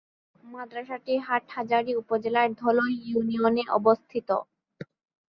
মাদ্রাসাটি হাটহাজারী উপজেলার ধলই ইউনিয়নে অবস্থিত।